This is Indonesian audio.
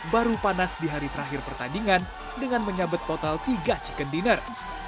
baru panas di hari terakhir pertandingan dengan menyabet total tiga chicken dinner